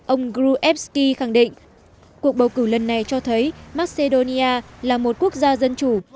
ông grubevsky khẳng định cuộc bầu cử lần này cho thấy macedonia là một quốc gia dân chủ